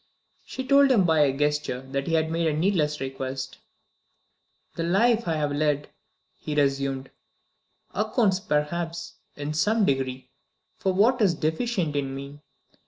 She told him by a gesture that he had made a needless request. "The life I have led," he resumed, "accounts, perhaps, in some degree, for what is deficient in me.